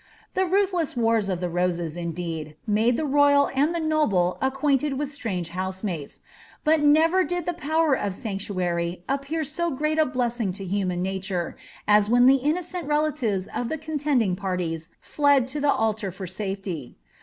The ruthleas wars of the Rosea, indeed, made the royal and the noble acquainted with strange house mates ; but never did the power of sanctuary appear so great a blessing to human nature, as when the innocent relatives of the contending par ties fled to the alutr for shelter.